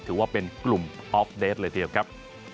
ถือว่าเป็นกลุ่มออฟเดสเลยทีเดียวครับ